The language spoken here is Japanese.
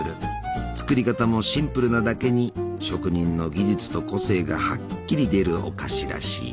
作り方もシンプルなだけに職人の技術と個性がはっきり出るお菓子らしい。